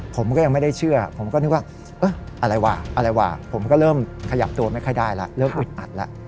ผมก็ยังไม่ได้เชื่อผมก็นึกว่าอะไรวะอะไรว่ะผมก็เริ่มขยับตัวไม่ค่อยได้แล้วเริ่มอึดอัดแล้ว